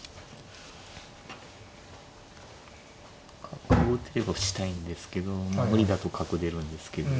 角を打てれば打ちたいんですけど無理だと角出るんですけど。